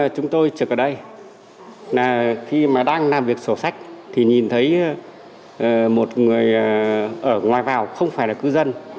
chúng tôi trực ở đây là khi mà đang làm việc sổ sách thì nhìn thấy một người ở ngoài vào không phải là cư dân